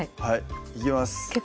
いきます